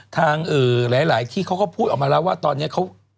ทางหลายที่เขาก็พูดออกมาแล้วว่าตอนนี้เขา